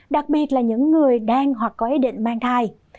đặc biệt là những người đang hoặc có ý định mang thai